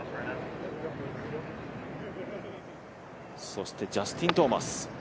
そしてジャスティン・トーマス。